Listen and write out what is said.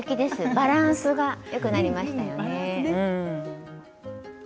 バランスがよくなりましたよね。